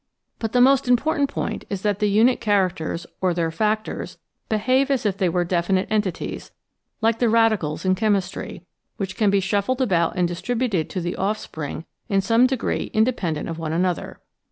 But the most important point is that the unit characters (or their factors) behave as if they were definite entities, like the radicals in chemistry, which can be shuffled about and distributed to the offspring in some degree inde pendent of one another.